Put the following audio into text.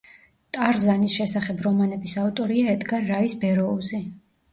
ტარზანის შესახებ რომანების ავტორია ედგარ რაის ბეროუზი.